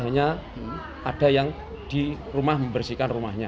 hanya ada yang di rumah membersihkan rumahnya